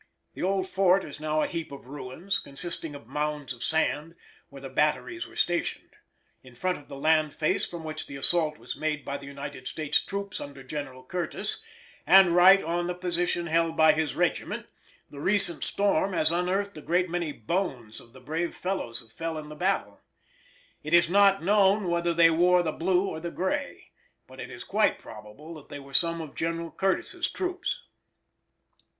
The old fort is now a heap of ruins, consisting of mounds of sand, where the batteries were stationed. In front of the land face from which the assault was made by the United States' troops under General Curtis, and right on the position held by his regiment, the recent storm has unearthed a great many bones of the brave fellows who fell in the battle. It is not known whether they wore the blue or the gray, but it is quite probable that they were some of General Curtis's troops.